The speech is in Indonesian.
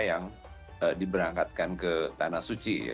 yang diberangkatkan ke tanah suci